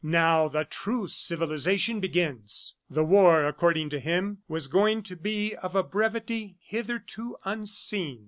Now the true civilization begins." The war, according to him, was going to be of a brevity hitherto unseen.